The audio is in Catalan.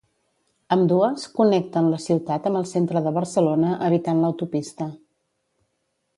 Ambdues connecten la ciutat amb el centre de Barcelona evitant l'autopista.